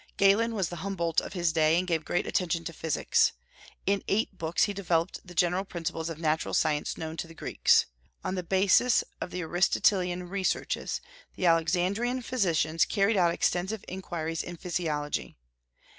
Galen was the Humboldt of his day, and gave great attention to physics. In eight books he developed the general principles of natural science known to the Greeks. On the basis of the Aristotelian researches, the Alexandrian physicians carried out extensive inquiries in physiology.